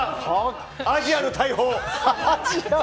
アジアの大砲！